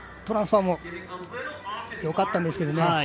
トランスファーもよかったんですけどね。